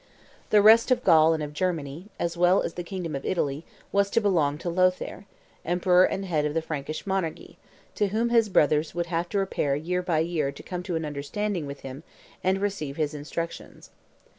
The rest of Gaul and of Germany, as well as the kingdom of Italy, was to belong to Lothaire, emperor and head of the Frankish monarchy, to whom his brothers would have to repair year by year to come to an understanding with him and receive his instructions.